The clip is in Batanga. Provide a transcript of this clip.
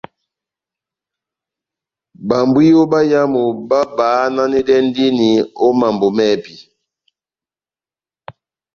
Bambwiyo báyámu babahananɛndini ó mambo mɛ́hɛpi.